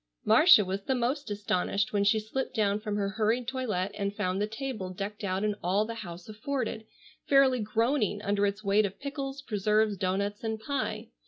Marcia was the most astonished when she slipped down from her hurried toilet and found the table decked out in all the house afforded, fairly groaning under its weight of pickles, preserves, doughnuts, and pie.